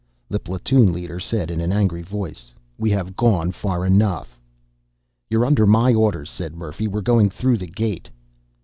The platoon leader said in an angry voice, "We have gone far enough." "You're under my orders," said Murphy. "We're going through the gate."